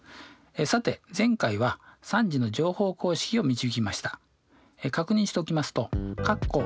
さて前回は３次の乗法公式を導きました。